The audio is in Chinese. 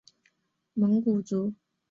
蒙古族。